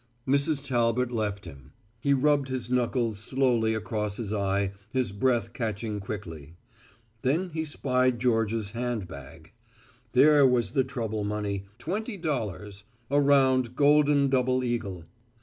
Mrs. Talbot left him. He rubbed his knuckles slowly across his eye, his breath catching quickly. Then he spied Georgia's hand bag. There was the trouble money twenty dollars, a round, golden double eagle.